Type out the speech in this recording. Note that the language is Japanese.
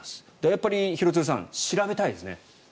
やっぱり廣津留さん調べたいですね。